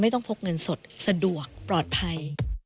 ต้องพกเงินสดสะดวกปลอดภัย